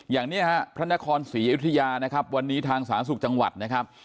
อย่างนี้ฮะพระนครศรีอยุธยานะครับวันนี้ทางสาธารณสุขจังหวัดนะครับ